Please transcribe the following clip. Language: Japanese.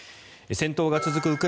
戦闘が続く